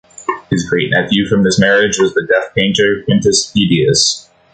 His great-nephew from this marriage was the deaf painter Quintus Pedius.